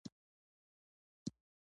د ترافیک څراغونو ته باید په وخت عمل وشي.